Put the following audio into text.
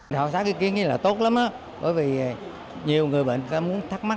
khảo sát ý kiến này là tốt lắm bởi vì nhiều người bệnh muốn thắc mắc